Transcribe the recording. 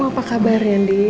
kamu apa kabarnya andin